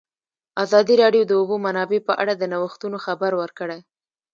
ازادي راډیو د د اوبو منابع په اړه د نوښتونو خبر ورکړی.